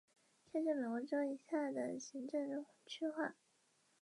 现今以杯渡命名的地有杯渡路和杯渡轻铁站。